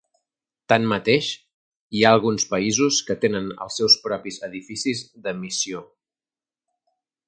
Tanmateix, hi ha alguns països que tenen els seus propis edificis de missió.